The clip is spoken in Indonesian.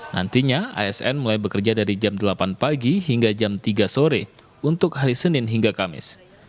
nantinya asn mulai bekerja dari jam delapan pagi hingga jam tiga sore untuk hari senin hingga kamis